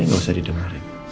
gak usah didengerin